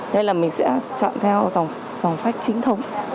thế là mình sẽ chọn theo dòng sách chính thống